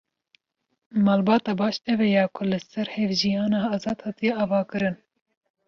Malbata baş, ew e ya ku li ser hevjiyana azad hatiye avakirin.